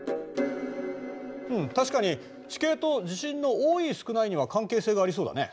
うん確かに地形と地震の多い少ないには関係性がありそうだね。